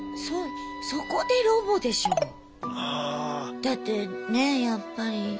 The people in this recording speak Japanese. だってねやっぱり。